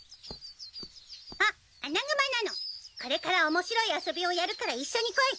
これから面白い遊びをやるから一緒に来い。